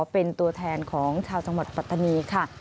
เป็นตัวแทนของชาวจังหวัดปัตตานีค่ะ